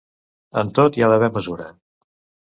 En tot hi ha d'haver mesura.